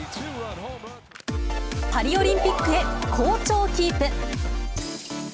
パリオリンピックへ好調キープ。